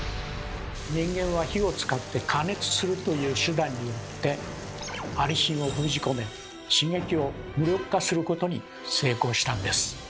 人間は火を使って「加熱する」という手段によってアリシンを封じ込め刺激を無力化することに成功したんです。